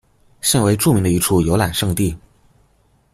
现为著名的一处游览胜地。